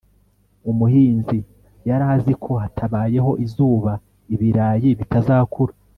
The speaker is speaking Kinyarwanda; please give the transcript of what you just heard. umuhinzi yari azi ko hatabayeho izuba ibirayi bitazakura